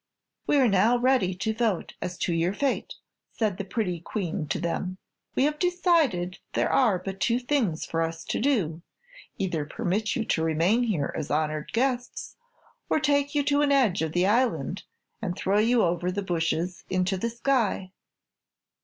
"We are now ready to vote as to your fate," said the pretty Queen to them. "We have decided there are but two things for us to do: either permit you to remain here as honored guests or take you to an edge of the island and throw you over the bushes into the sky."